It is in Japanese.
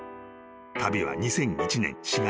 ［旅は２００１年４月。